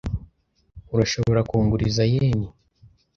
Urashobora kunguriza yen?